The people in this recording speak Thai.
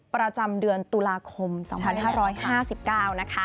ประจำเดือนตุลาคม๒๕๕๙นะคะ